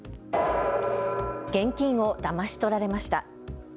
現金をだまし取られました。